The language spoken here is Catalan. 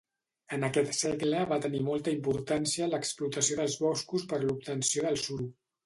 En aquest segle va tenir molta importància l’explotació dels boscos per l’obtenció del suro.